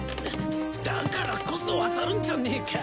だだからこそ渡るんじゃねえか。